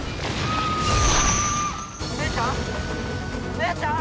姉ちゃん？